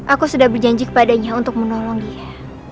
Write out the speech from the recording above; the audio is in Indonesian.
aku sudah berjanji kepadanya untuk menolong dia